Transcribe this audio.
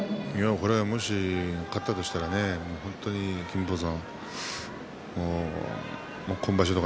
もし勝ったとしたら本当に金峰山